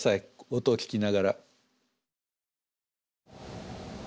音を聞きながら。